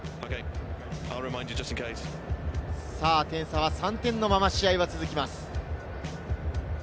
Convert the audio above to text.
点差は３点のまま試合は続きます。